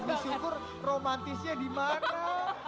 ini lagu syukur romantisnya dimana